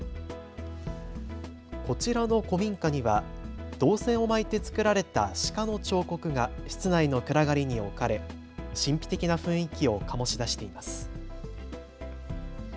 こちらの古民家には銅線を巻いてつくられた鹿の彫刻が室内の暗がりに置かれ神秘的な雰囲気を醸し出しています。